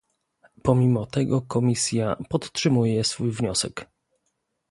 Pomimo tego Komisja podtrzymuje swój wniosek